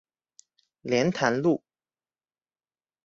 蓮潭路